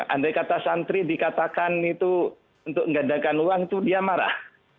andai kata santri dikatakan itu untuk menggandakan uang itu dia marah